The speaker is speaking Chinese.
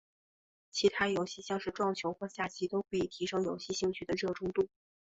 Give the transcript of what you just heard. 其他游戏像是撞球或下棋都可以提升游戏兴趣的热衷度。